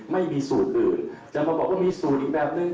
ไม่มีสูตรอื่นแต่มาบอกว่ามีสูตรอีกแบบนึง